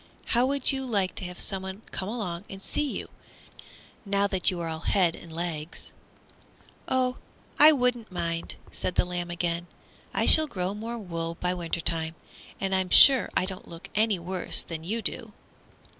How would you like to have someone come along and see you, now that you are all head and legs?" "Oh, I wouldn't mind," said the lamb again; "I shall grow more wool by winter time, and I'm sure I don't look any worse than you do."